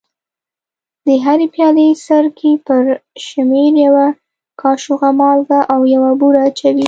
د هرې پیالې سرکې پر شمېر یوه کاشوغه مالګه او یوه بوره اچوي.